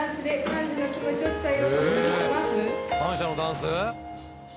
感謝のダンス？